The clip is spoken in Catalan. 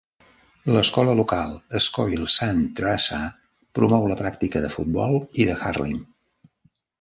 L'escola local Scoil San Treasa promou la pràctica de futbol i de 'hurling'.